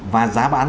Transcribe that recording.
và giá bán